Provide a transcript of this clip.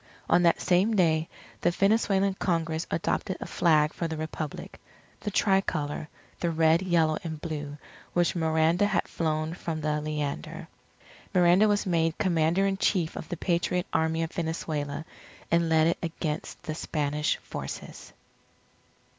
On that same day, the Venezuelan Congress adopted a flag for the Republic the tri colour, the Red, Yellow, and Blue, which Miranda had flown from the Leander. Miranda was made Commander in Chief of the Patriot Army of Venezuela, and led it against the Spanish forces.